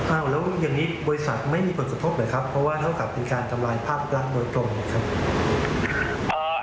แล้วอย่างนี้บริษัทไม่มีผลกระทบเหรอครับเพราะว่าเท่ากับเป็นการทำลายภาพลักษณ์โดยตรงนะครับ